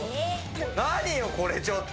何よ、これちょっと。